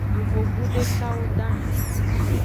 Yovogbu dekwo dahen.